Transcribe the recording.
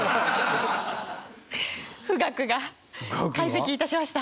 「富岳」が解析致しました。